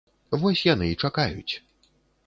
Вось яны і чакаюць.